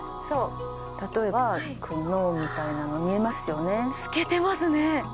そう例えばこの脳みたいなの見えますよね透けてますね